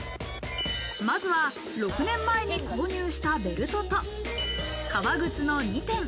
まずは、６年前に購入したベルトと、革靴の２点。